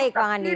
baik bang andi